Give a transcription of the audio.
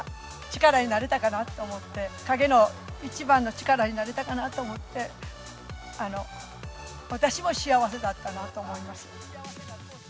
力になれたかなと思って、陰の一番の力になれたかなと思って、私も幸せだったなと思います。